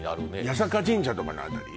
八坂神社とかのあたり？